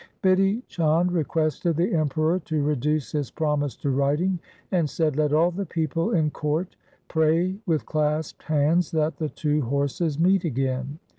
Bidhi Chand requested the Emperor to reduce his promise to writing, and said, ' Let all the people in court pray with clasped hands that the two horses meet again.